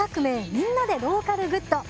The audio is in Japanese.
みんなでローカルグッド」。